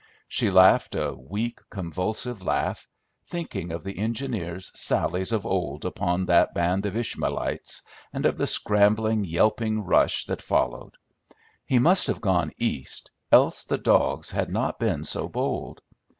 She laughed a weak, convulsive laugh, thinking of the engineer's sallies of old upon that band of Ishmaelites, and of the scrambling, yelping rush that followed. He must have gone East, else the dogs had not been so bold.